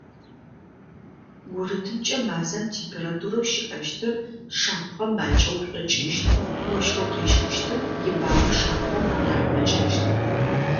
Гурытымкӏэ мазэм температурэу щыӏэщтыр шапхъэм макӏэу шӏокӏыщт, ощхэу къещхыщтым ибагъэ шапхъэхэм анахь мэкӏэщт.